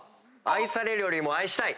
愛されるよりも愛したい。